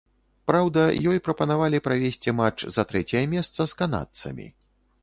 Праўда, ёй прапанавалі правесці матч за трэцяе месца з канадцамі.